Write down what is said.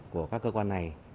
của các cơ quan này